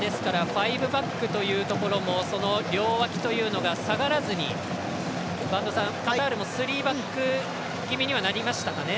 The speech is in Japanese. ファイブバックというところも両脇というのが下がらずに播戸さん、カタールもスリーバック気味にはなりましたかね。